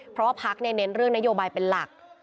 เพราะว่าพักเน้นเรื่องนโยบายเป็นหลัก